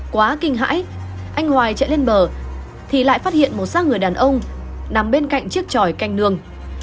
quá kinh hãi anh hoài chạy lên bờ thì lại phát hiện một sát người đàn ông nằm bên cạnh chiếc tròi canh nương